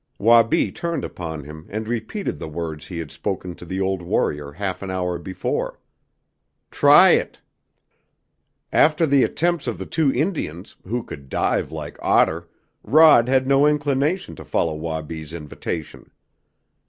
Wabi turned upon him and repeated the words he had spoken to the old warrior half an hour before. "Try it!" After the attempts of the two Indians, who could dive like otter, Rod had no inclination to follow Wabi's invitation.